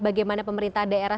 bagaimana pemerintah daerah